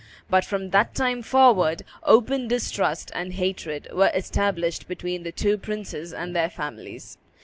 But from that time forward open distrust and hatred were established between the two princes and their families.